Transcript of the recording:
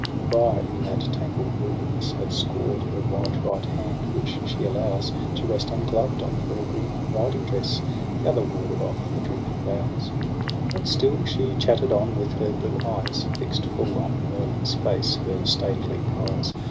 A briar in that tangled wilderness Had scored her white right hand, which she allows To rest ungloved on her green riding dress; The other warded off the drooping boughs. TRISTRAM AND ISEULT. 227 But Still she chatted on, with her blue eyes Fix'd full on Merlin's face, her stately prize.